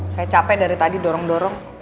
saya capek dari tadi dorong dorong